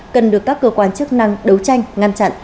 cần được các cơ quan chức năng đấu tranh ngăn chặn